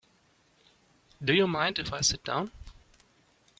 Do you mind if I sit down?